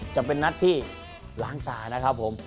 จะเป็นนัดที่ล้างตานะครับผม